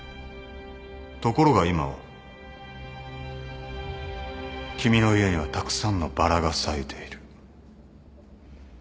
ところが今は君の家にはたくさんのバラが咲いている。